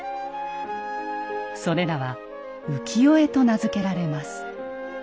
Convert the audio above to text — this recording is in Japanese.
それらは「浮世絵」と名付けられます。